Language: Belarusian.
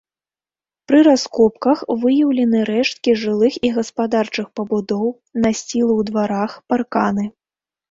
Пры раскопках выяўлены рэшткі жылых і гаспадарчых пабудоў, насцілы ў дварах, парканы.